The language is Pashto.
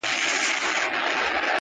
گراني په تاڅه وسول ولي ولاړې .